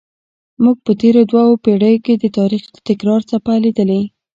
موږ په تېرو دوو پیړیو کې د تاریخ د تکرار څپه لیدلې.